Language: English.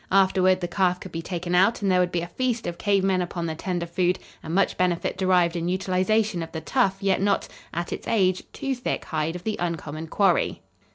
Afterward the calf could be taken out and there would be a feast of cave men upon the tender food and much benefit derived in utilization of the tough yet not, at its age, too thick hide of the uncommon quarry.